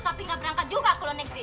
tapi nggak berangkat juga kalau negeri